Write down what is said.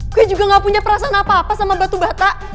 gue juga gak punya perasaan apa apa sama batu bata